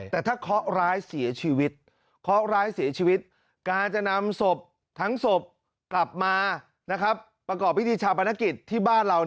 แต่ถ้าเค้าร้ายเสียชีวิตการจะนำทั้งศพกลับมาประกอบวิธีชาปนกิจที่บ้านเรา